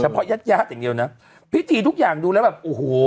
เพราะญาติญาติอย่างเดียวนะพิธีทุกอย่างดูแล้วแบบโอ้โห